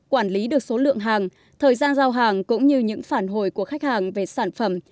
quản lý được số lượng hàng thời gian giao hàng cũng như những phản hồi của khách hàng về sản phẩm